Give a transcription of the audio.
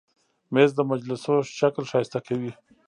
مېز د مجلسو شکل ښایسته کوي.